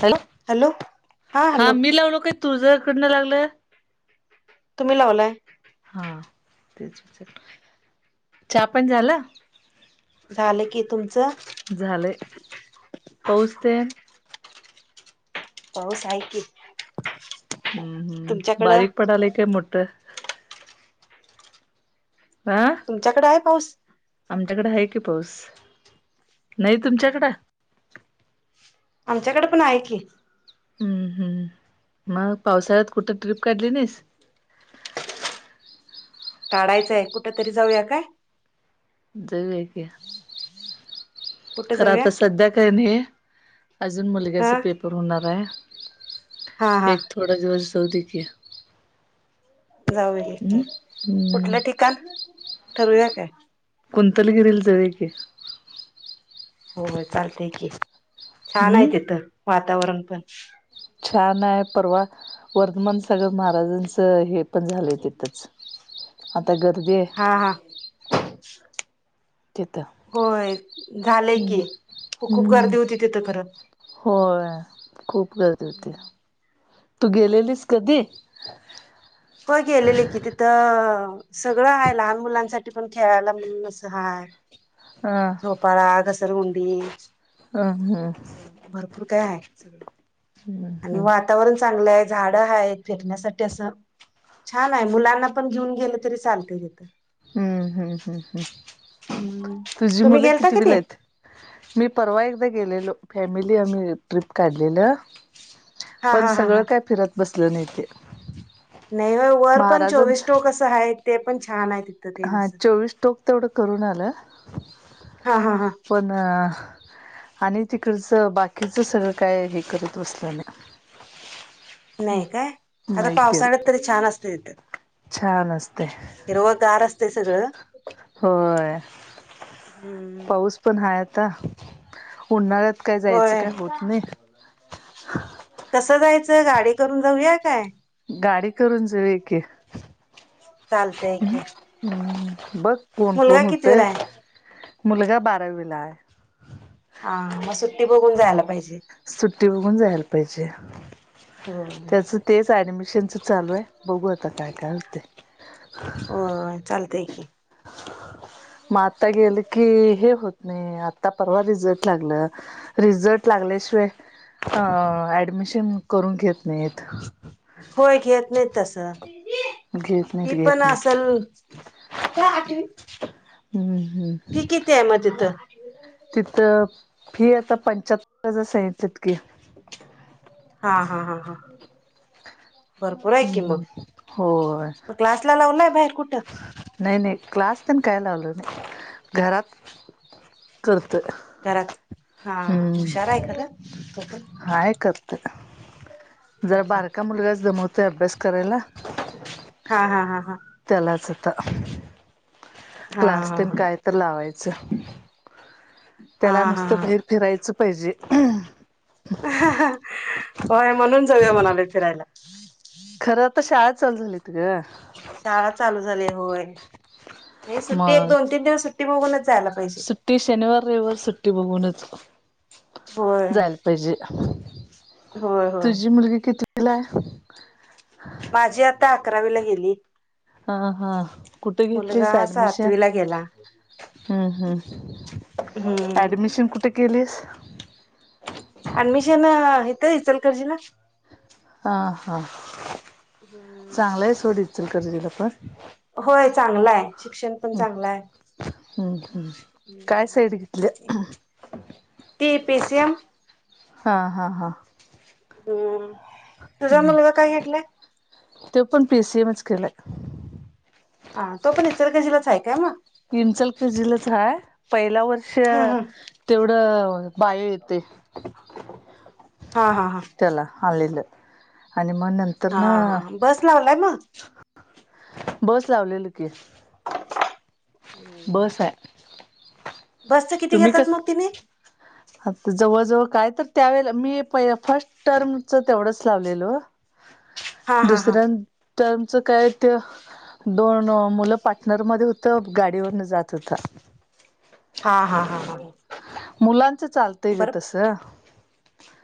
Hello हा मी लावलो काय तुझ्याकडनं लागलं तुम्ही लावलाय हा तेच चहा पण झाला झालं की तुमचं झाले पोचते पाऊस आहे की हम्म हम् तुमच्याकडं बारीक पडालाय काय मोठं ह तुमच्याकडे आहे पाऊस आमच्याकडे आहे की पाऊस नाही तुमच्याकड आमच्याकडे पण आहे की मग पावसाळ्यात कुठं ट्रीप काढली नाहीस काढायचंय कुठ तरी जाऊया काय जाऊक कुठे खरं जाऊया आता सध्या काही नाही अजून हा मुलग्याचा पेपर होणार आहे हा हा एक थोडा दिवस जाऊ दे की जाऊ ते हम्म हम्म कुठल्या ठिकाण ठरूया काय कुंतलगिरीला जवे की हो चालतय की छान आहे हम्म तिथं वातावरण पण छान आहे परवा वर्धमान सागर महाराजांचं हे पण झालंय तिथंच आता गर्दीे हां हां तिथं होय झालंय हम्म की खूप हम्म गर्दी होती तिथं खरं होय खूप गरज होती तू गेलेलीस कधी होे एल् लले कितेत सगळं आहे लहान मुलांसाठी पण खेळायला म्हणून असं हाय हं पपाळा घसरगुंडी हम्म असं भरपूर काय आहे सगळे आणि वातावरण चांगलं आहे झाडं आहेत फिरण्यासाठी असं छान आहे मुलांना पण घेऊन गेलं तरी चालते तथं हम्म हम्म हम् हम् हम्म तुझी तुम्ही मुले गेलता किती वीला कधी आहेत मी परवा एकदा गेलेलो फॅमिली आम्ही ट्रिप काढलेलं हा पण हा हा सगळं हा काय, फिरत बसलं नाही तेे. नाही हो. वर पण चोवीस ट्टोकसं आहे. ते पण छान आहे. तिथ. हा चोवीस टोक, तेवढं करून आलं हा, हा, हां. पण. आणि, तिकडचं बाकीचं सगळं काय, हे करत बसलं नाय. नाही काय? आता पावसाळ्यात तरी, छान असते तिथं. छान अस ते. हिरवं गार असते सगळं होय हम्म पाऊस पण हाय आता. उन्हाळ्यात काय जायचं होय काय होत नाही. कसं जायचं. गाडी करून जाऊया काय? गाडी करून जाऊया, की. चालतय की. हम्म. बघ कोण कोण मुलगा होते. कितवीला आहे मुलगा बारावीला आहे. हा, मग सुट्टी बघून जायला पाहिजे. सुट्टी बघून जायला पाहिजे. होय त्याच तेच, ऍडमिशनच चालूये. बघू आता काय काय होतय. होय, चालतय की. मग आता गेलं की, हे होत नाही. आता परवा रिझल्ट लागलं. रिझल्ट लागल्याशिवाय. ऍडमिशन करून घेत नाहीेयेत. होय, घेत नाहीत तस. घेत नाहीत ही पण घेत नाहीत असल, आठवी हम्म, हम्म. कितीये म तिथं. तिथं फी आता, पंच्याहत्तर हजार. सागीतलेत. की. हा हा हा हा. भरपूर हम्म, होय. क्लास ला लावलाय? बाहेर कुठं. नाही नाही. क्लास तन काय लावलं नाही. घरात करतोय. घरात हा हा. हम्म हुशार आहे खरा. तो पण. हाय करतोय जरा बारका मुलगा जमवतोय. अभ्यास करायला. हा हा हा हा. त्यालाच आता. क्लास हा तेन काय तर लावायचं. त्याला हा हा नुसतं. हा बाहीर फिरायचं पाहिजे. होय, म्हणून जाऊया म्हणाले फिरायला. ह ह [inaudible] खरं अता. शाळा चालू झाली त ग. शाळा चालू झाली होय. नाही सुट्टी. एक मग दोन तीन दिवस सुट्टी बघूनच जायला पाहिजे. ती शनिवार, रविवार सुट्टी बघूनच. होय जायला पाहिजे. होय होय तुझी मुलगी कितीवीलाय. माझी आता, अकरावीला गेली. हा, हा. कुठे घेतलीस मुलगा ऍडमिशन. सातवीला गेला हम्म, हम्म. हम्म ऍडमिशन कुठे केलेस. अऍडमिशन येथ. इचलकरंजी ला. हां हां. चांगलय सोड इचलकरंजी पण. होय, चांगलाय शिक्षण. पण ह. चांगलं आहे हम्म हम्म. काय साईड घेतल्या? ते पीसी एम. हां हां हां. हम्म तुझा मल का काय घटले ते पण पी सी एमच केलंय हा तो पण इतर कशीीलाच आहेय काय मग हिंचलखेर जिलच हय पहिला वर्ष हम्म हम्म तेवढं बाहे येते हा हा हा आलेलं आणि मग नंतर हा ना हा बस लावलाय मग बस लावलेल की हम् बस आहे बस तर किती घेतात मग तिने आ जवळजवळ काय तर त्यावेळे मी प फर्स्ट टर्मच तेवढंच लावलेलो हा हा हा दुसऱ्या टमचं काय ते दोन मुलं पार्टनर मध्ये होतं गाडीवरन जात होता हा हा हा ह मुलांचं चालतंय ग तस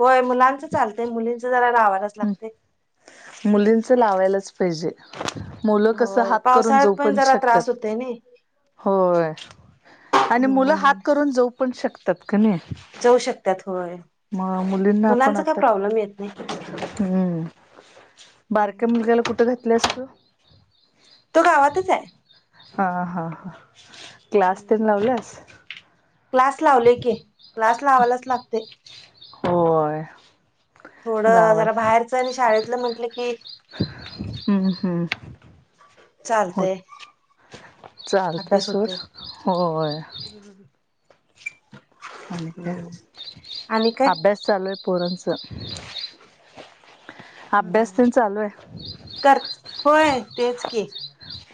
होय मुलांचं चालतय मुलींचं जरा लावाला ह् मुलींच लावायलाच पाहिजे मुलं कस होय हात करून जाऊ पावसाळ्यात पण जरा त्रास शकतात. होतय नाही होय आणि मुलं हम्म हात करून जाऊ पण शकतात का नाही. जाऊ शकत होय मा मुलींना आपण मुलांचा काय आत प्रॉब्लेम येत नाही तसा. हम्म बारक्या हम्म. मुलग्याला कुठं घातलयेस तू. तो गावातच आहे हां हां हं क्लास तेन लावल्यांस क्लास लावलेई की क्लास लावायंलाच लागतोय. होय थोडं लावाय जरा बाहेरच आणि शाळेतलं म्हंटलं की हम्म हम्म. हो चालतंय चालते अभ्यास सर होतोय. होय आणि काय सलवे परणच हम्म चालू आहे कर होय तेच केी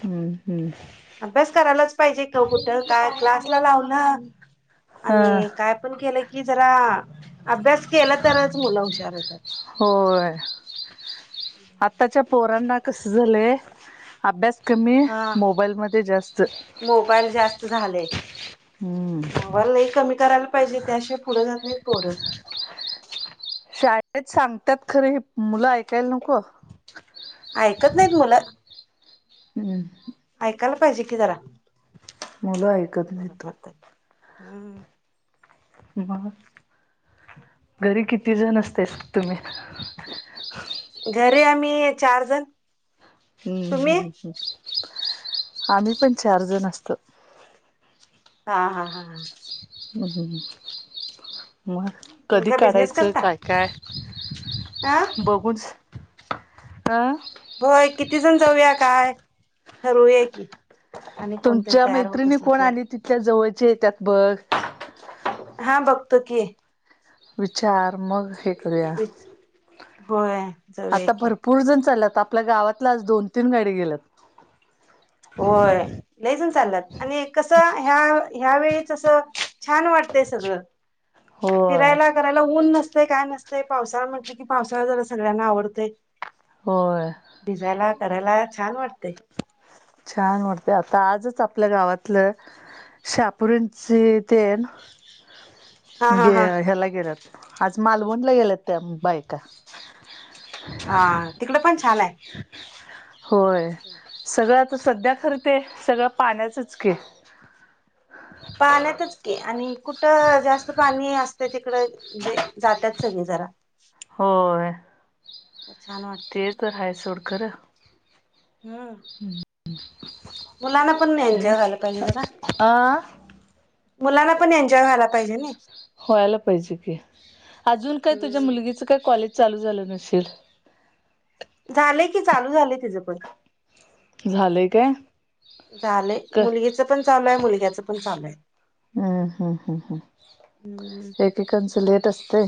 हम्म हम्म अभ्यास करायलाच पाहिजे का कुठं काय क्लासला लावलं हा आणि काय पण केलं की जरा अभ्यास केला तरच मुलं हुशार होतात. होय आत्ताच्या पोरांना कसं झालंय अभ्यास कमी हा मोबाईलमध्ये जास्त मोबाईल हम्म वा लय कमी करायंला पाहिजे त्यांशिवाय पुढे जातं नाहीतं पोरं शाळेत सांगतात खरं मुलं ऐकायंला नको ऐकत नाहीत मुल हम्म ऐकायला पाहिजे कि जरा. मुलं ऐकत नाहीत हम् मग घरी किती जण असतेस तुम्ही घरी आम्ही चार जण. हम्म तुम्ही हम्म हम् आम्ही पण चार जण असतो. हा हा हा हम्् मग कधी तुमचा बिझनेस काढायचं करता काय काय हा बघूच भय किती, जण जाऊया काय ठरवूया की, आणि कोणतरी तुमच्या तयार होत मैत्रिणी असल कोण तर आणि तिथल्या जवळच्या येत्यात बघ. हा, बघतो की, विचार मग हे करूया होय, जाऊया आता की भरपूर जण चालल्यात, आपल्या गावातलाच आज दोन -तीन गाडी गेल्यात. होय, लय जण चाललात आणि कसं ह्या, ह्या वेळीच जस छान वाटतय सगळं होय फिरायला करायला ऊन नसते, काय नसते, पावसाळा म्हटले की, पावसाळा जरा सगळ्यांना आवडतय. होय, भिजायला, करायला छान वाटतंय. छान वाटतंय, आता आजच आपल्या गावातलं हा [unintelligible] हा गे हा ह्याला गेल्यात, आज मालवणला गेल्यात त्या बायका. हा तिकडे पण छान आहे. होय, सगळं तर सध्या खरं ते सगळं पाण्याचच की. पाण्यातच की, आणि कुठं जास्त पाणी असत तिकड म्हणजे जातात. सगळी जरा होय, छान वाटते मग ते तर हाय, सोड खरं. हम्म [inaudible] मुलांना पण नाही. आणि एन्जॉय झाला पाहिजे जरा, अ मुलांना पण एन्जॉय व्हायला पाहिजे नाही. व्हायला पाहिजे की, अजून काय तुझ्या हम्म मुलगीच काय, कॉलेज चालू झालं नसेल. झालंय, की चालू झालंय तिचं पण झालंय काय झालेय, क मुलगीच पण चालू आहे. मुलग्याच पण चालू आहे. हम्म, हम्म, हम्म, हम्म एकेकांच लेट असते.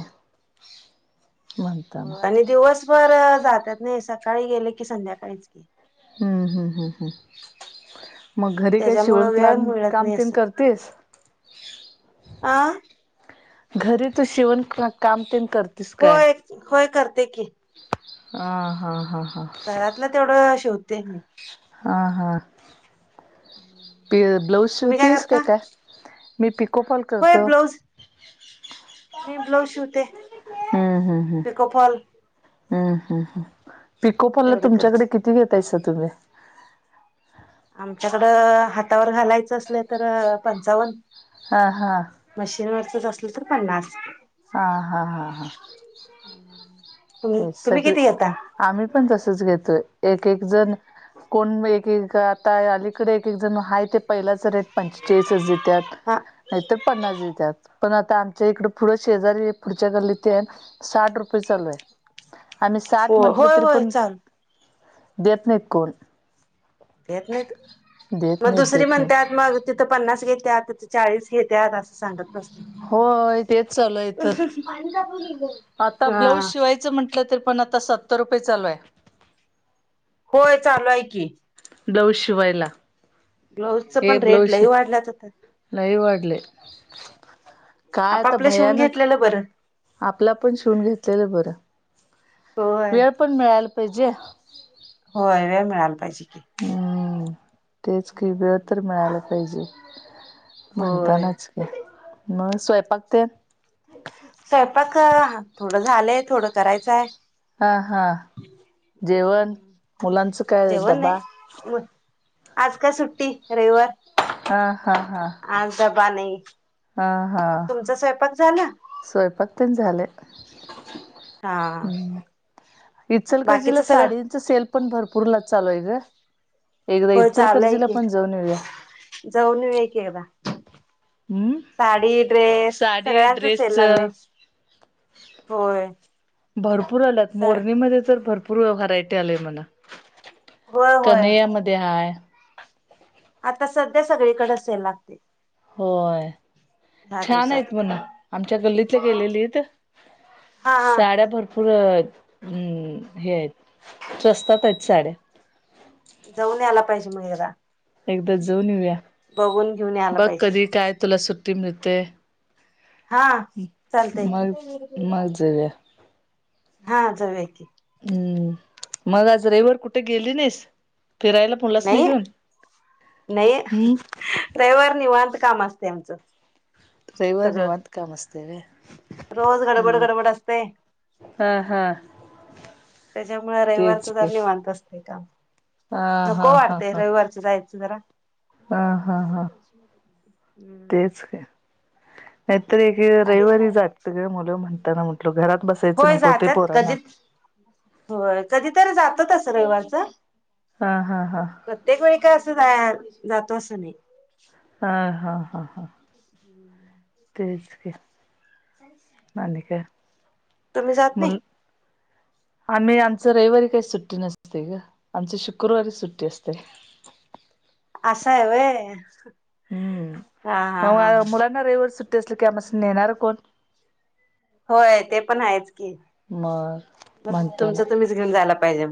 [unintelligible] आणि दिवसभर जातात नाही. सकाळी गेले की, संध्याकाळीच की, हम्म, हम्म, हम्म, हम मग, घरी काही त्याच्यामुळं शिवण वेळ क्लाम मिळत काम नाही तेन असं करतेस. अ घरी तू शिवण काम तेन कर होय, होय करते की, हा, हा, हा, हा घरातलं तेवढं शिवते मी. हा, हा, हा ब्लाऊज तुम्ही काय शिवतेस, करता का काय मी पिको फॉल होय करतो. ब्लाऊज [inaudible] मी ब्लाऊज शिवते, हम्म हम्म हम्म पिको फॉल हम्म, हम, हम, पिको फॉल तेवढं करते तुमच्याकडे किती घेतायसा तुम्ही आमच्याकडं हातावर घालायचं असलं तर पंचावन्न. हा, हा मशीन वरचं असल तर पन्नास. हा, हा, हा, हा [inaudible] ते, तुम्ही सगळी किती घेता आम्ही पण तसच घेतोय. एक, एक जण कोण एक एक घर, आता अलीकडे एक एक जण आहे ते पहिलाच रेट पंचेचाळीस ह देत. त्यात, हा नाहीतर पन्नास देत्यात. पण आता आमच्या इकड, पुढं शेजारी पुढच्या गल्ली ते आहे. साठ रुपये चालू आहे. आम्ही साठ हो म्हटल होय तरी होय पण, चाल देत नाहीत कोण? देत नाहीत देत म नाहीत दुसरी देत नाहीत म्हणत्यात मग तिथं पन्नास घेत्यात, तिथ चाळीस घेत्यात, अस सांगत अस हो तेच चालूय इथं आता हा ब्लाऊज शिवायचं म्हण टलं तर पण आता सत्तर रुपये चालू आहे. होय चालू आहे की. ब्लॉऊज शिवायला ब्लाऊजच हे पण रेट ब्लॉउश लई वाढल्यात आता लयी वाढले. काय आता आपापलं शिवून भयानक घेतलेलं बरं आपल पण शिवून घेतलेलं बर. होय वेळ पण मिळायला पाहिजे. होय वेळ मिळाला पाहिजे की हूं तेच काही वेळ तर मिळाला पाहिजे. होय म्हणतानाच का मग स्वयंपाक ते? स्वयंपाक करा थोडं झालंय थोडं करायचाय. हा हा जेवण मुलांचं काय जेवण डबा? नाही मग आज काय सुट्टी रविवार. हा हा हा! आज डबा नही. हा हा स्वयंपाक तेन झालंय. हा हूं बाकीच इचलकजीला सगळं साडी च सेल पण भरपूर ला चालू आहे ग, एकदा होय चालूय इचलकरर्जीला की पण जाऊन येऊया. जाऊन येऊ की एकदा. हम्म साडी ड्रेस साडी सगळ्यांच सेल ड्रेसच लागलाय होय. भरपूर आलात सगळ मोरणीमध्ये तर भरपूर व्हरायटी आलीय म्हना होय होय कनयामध्ये हाय. आता सध्या सगळीकडे सेल लागतय. होय छान आहेत दिवसात म्हण, आमच्या गल्लीतल्या गेलेलीत. हा हा! फुर हूं हे आहेत स्वस्तात आहेत साड्या. जाऊन यायला पाहिजे मग एकदा. एकदा जऊन येऊया, बघून घेऊन यायला बघ पाहिजे कधी काय तुला सुट्टी मिळते? हा चालत हे मग की, मग जाऊया हा जाऊ या की. हूं मग आज रविववर कुठे गेली नाहीस, फिरायला मुलासनी नही घेऊन नही हम्म रविवार निवांत काम असत आमचं. रविवार सगळं निवांत काम असत ग. रोज गडबड, गडबड असतय. हा हा त्याच्यामुळ रविवारच तेच जरा की निवांत असतय काम. हा नको हा हा वाटतय हा रविवारच जायचं जरा. हा हा हा हूं! तेच की [inaudible] नाहीतर एक रविवारी जात ग मुलं म्हणताना, म्हटल घरात बसायचं होय नको ते जातात कधी पोराना. होय कधीतरी जातातसं रविवारचं हा हा हा! प्रत्येक वेळी काय असं जा जातो असं नाही. हा हा हा हा! हम्म [inaudible] तेचकी तुम्ही जात नाही? मुल आम्ही आमच रविवारी काही सुट्टी नसते ग, आमची शुकुरवारी सुट्टी असते. असं आहेवय. हम्म मग मुलांना रविवार सुट्टी असली की आमस नेणार कोण? होय ते पण आहेच की मग मग तुमच म्हणताना तुम्हीच घेऊन जायला पाहिजे.